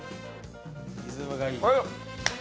リズムがいい。